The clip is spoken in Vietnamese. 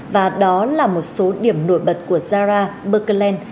và đó là một số điểm nổi bật của zara berkelen